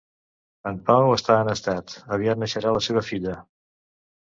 En Pau està en estat, aviat neixerà la seva filla